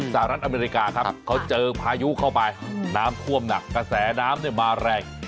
สหรัฐอเมริกาครับเขาเจอพายุเข้าไปน้ำท่วมหนักกระแสน้ำมาแรง